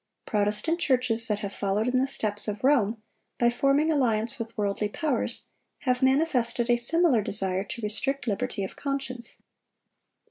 Protestant churches that have followed in the steps of Rome by forming alliance with worldly powers, have manifested a similar desire to restrict liberty of conscience.